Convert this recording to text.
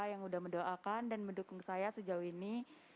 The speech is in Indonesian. yang sudah mendoakan dan mendukung saya sejauh ini